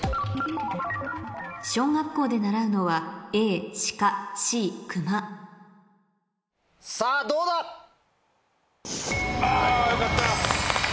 小学校で習うのはさぁどうだ⁉あよかった。